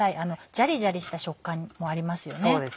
ジャリジャリした食感もありますよね。